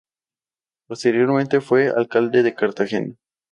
Posteriormente fue alcalde de Cartagena.